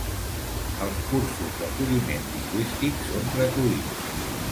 Els cursos d'acolliment lingüístic són gratuïts.